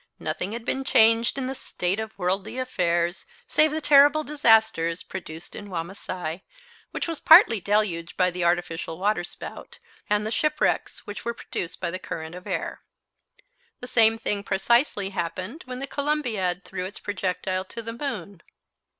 Nothing had been changed in the state of worldly affairs save the terrible disasters produced in Wamasai, which was partly deluged by the artificial waterspout, and the shipwrecks which were produced by the current of air. The same thing precisely happened when the Columbiad threw its projectile to the moon.